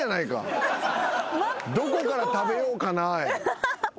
「どこから食べようかな」やん。